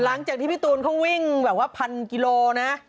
หลังจากที่พี่ตูนเขาวิ่งแบบว่าพันกิโลนะ